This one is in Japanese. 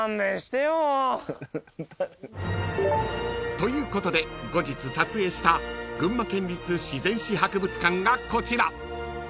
［ということで後日撮影した群馬県立自然史博物館がこちら］